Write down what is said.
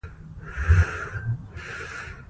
د هېواد مرکز د افغانستان د امنیت په اړه هم اغېز لري.